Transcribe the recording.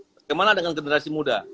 bagaimana dengan generasi muda